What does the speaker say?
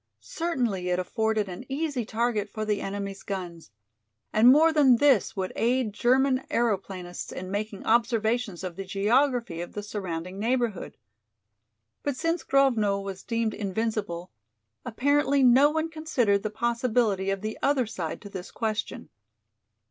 Certainly it afforded an easy target for the enemy's guns, and more than this would aid German aeroplanists in making observations of the geography of the surrounding neighborhood. But since Grovno was deemed invincible, apparently no one considered the possibility of the other side to this question.